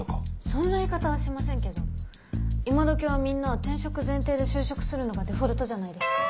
そんな言い方はしませんけど今どきはみんな転職前提で就職するのがデフォルトじゃないですか。